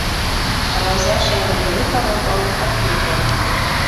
Рауза Шәңгәрәйҙе табып алып ҡайт ти бит әле!